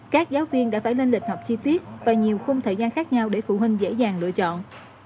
các giáo viên đã phải lên lịch học chi tiết và nhiều khung thời gian khác nhau để phụ huynh dễ dàng lựa chọn